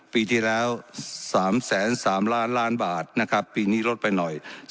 ปีที่แล้ว๓๓๐๐๐๐๐บาทปีนี้ลดไปหน่อย